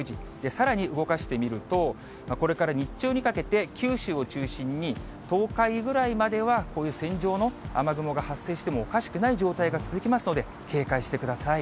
さらに動かしてみると、これから日中にかけて、九州を中心に、東海ぐらいまではこういう線状の雨雲が発生してもおかしくない状態が続きますので、警戒してください。